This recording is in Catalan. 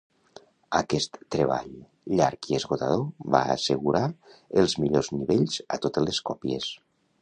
Aquest treball llarg i esgotador va assegurar els millors nivells a totes les còpies.